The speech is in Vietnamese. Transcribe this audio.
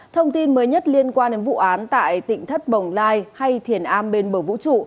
thông tin mới nhất liên quan đến vụ án tại tỉnh thất bồng lai hay thiền a bên bờ vũ trụ